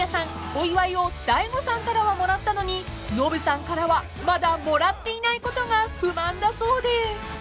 お祝いを大悟さんからはもらったのにノブさんからはまだもらっていないことが不満だそうで］